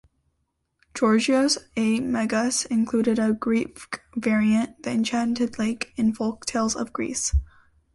Georgios A. Megas included a Greek variant, The Enchanted Lake, in "Folktales of Greece".